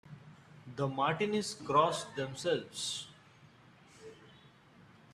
The Martinis cross themselves.